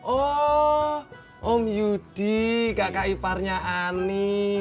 oh om yudi kakak iparnya ani